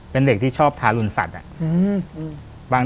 เป็นเด็กที่ชอบทารุณสัตว์